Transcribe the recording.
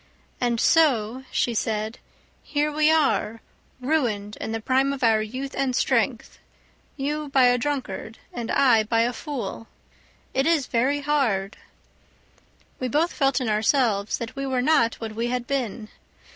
"And so," she said, "here we are, ruined in the prime of our youth and strength, you by a drunkard, and I by a fool; it is very hard." We both felt in ourselves that we were not what we had been.